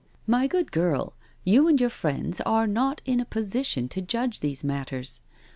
" My good girl, you and your friends are not in a position to judge these matters.